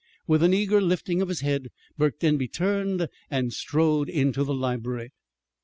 With an eager lifting of his head Burke Denby turned and strode into the library.